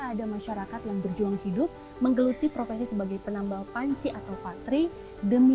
ada masyarakat yang berjuang hidup menggeluti profesi sebagai penambal panci atau patri demi